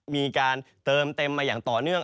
มีการเติมเต็มมาอย่างต่อเนื่อง